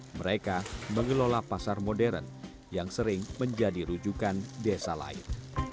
mereka mengelola pasar modern yang sering menjadi rujukan desa lain